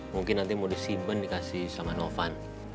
mungkin nanti mau disiben dikasih sama novan